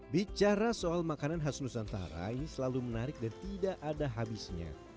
bicara soal makanan khas nusantara ini selalu menarik dan tidak ada habisnya